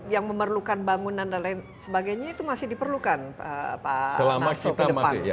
yang memerlukan bangunan dan lain sebagainya itu masih diperlukan pak